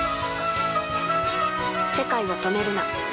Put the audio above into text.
世界を、止めるな。